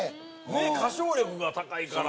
え歌唱力が高いから